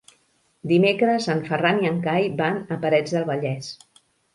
Dimecres en Ferran i en Cai van a Parets del Vallès.